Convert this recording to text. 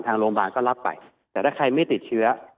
ทางโรงพยาบาลก็รับไปแต่ถ้าใครไม่ติดเชื้อ